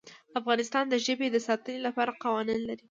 افغانستان د ژبې د ساتنې لپاره قوانین لري.